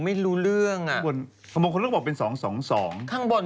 นายกเกือบเผาเกือบมังม่วงหรอ